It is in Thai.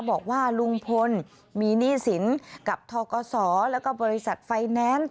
บอกว่าลุงพลมีหนี้สินกับทกศแล้วก็บริษัทไฟแนนซ์